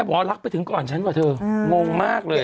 หมอรักไปถึงก่อนฉันว่ะเธองงมากเลย